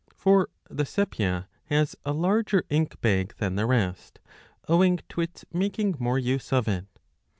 For the sepia has a larger ink bag than the rest, owing to its making more use of it.